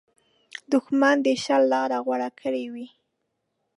دښمن د شر لاره غوره کړې وي